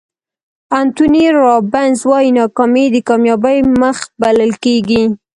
انتوني رابینز وایي ناکامي د کامیابۍ مخ بلل کېږي.